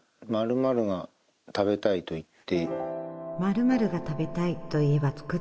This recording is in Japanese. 「○○が食べたい」と言って。